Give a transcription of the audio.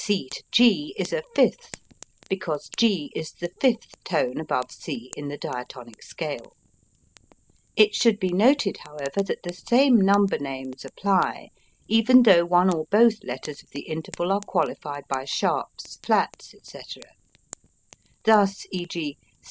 C G is a fifth because G is the fifth tone above C in the diatonic scale. It should be noted however that the same number names apply even though one or both letters of the interval are qualified by sharps, flats, etc. Thus _e.